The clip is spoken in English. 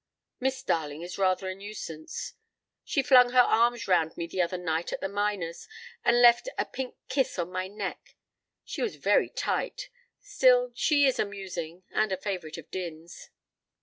"Miss Darling is rather a nuisance. She flung her arms round me the other night at the Minors' and left a pink kiss on my neck. She was very tight. Still, she is amusing, and a favorite of Din's."